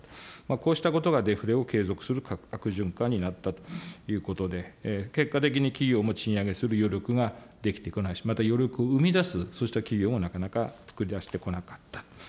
こうしたことがデフレを継続する悪循環になったということで、結果的に企業も賃上げする余力ができてこないし、また余力を生み出す、そうした企業もなかなかつくり出してこなかった、